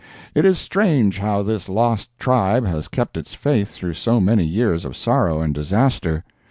It is strange how this lost tribe has kept its faith through so many years of sorrow and disaster.